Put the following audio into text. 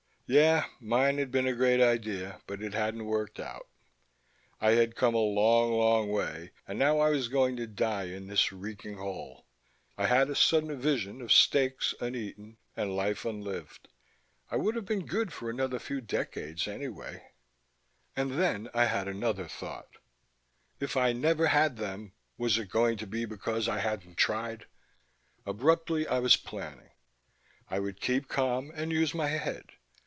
Yeah, mine had been a great idea, but it hadn't worked out. I had come a long, long way and now I was going to die in this reeking hole. I had a sudden vision of steaks uneaten, and life unlived. I would have been good for another few decades anyway And then I had another thought: if I never had them was it going to be because I hadn't tried? Abruptly I was planning. I would keep calm and use my head.